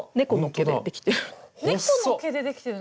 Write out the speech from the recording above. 猫の毛でできてる。